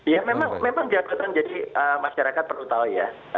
ya memang jabatan jadi masyarakat perlu tahu ya